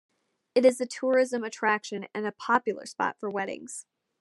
It is a tourism attraction and a popular spot for weddings.